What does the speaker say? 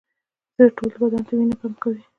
زړه ټول بدن ته وینه پمپ کوي